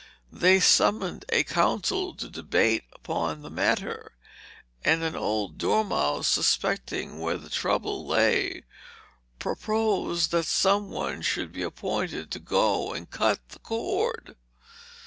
They summoned a council to debate upon the matter, and an old dormouse, suspecting where the trouble lay, proposed that some one should be appointed to go and cut the cord.